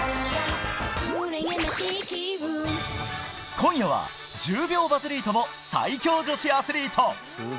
今夜は、１０秒バズリートの最強女子アスリート。